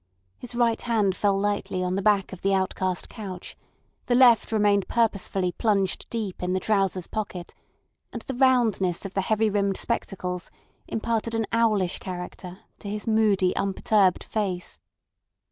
His right hand fell lightly on the back of the outcast couch, the left remained purposefully plunged deep in the trousers pocket, and the roundness of the heavy rimmed spectacles imparted an owlish character to his moody, unperturbed face.